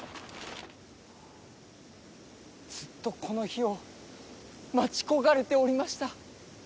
ずっとこの日を待ち焦がれておりました。